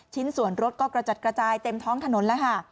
ชิ้นส่วนรถก็กระจัดกระจายเต็มท้องถนนแล้วค่ะ